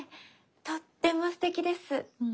とってもすてきです。